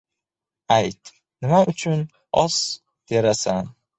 — Ayt, nima uchun oz terasan?!